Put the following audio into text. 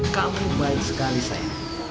kamu baik sekali sayang